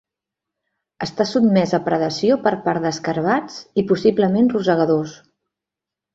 Està sotmès a predació per part d"escarabats i, possiblement, rosegadors.